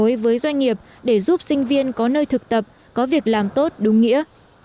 kết nối với doanh nghiệp để giúp sinh viên có nơi thực tập có việc làm tốt đúng nghĩa